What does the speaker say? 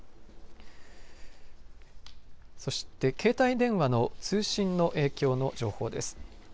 そして携帯電話の通信の影響の情報です。